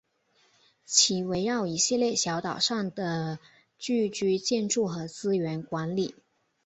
其围绕一系列小岛上的聚居建筑和资源管理。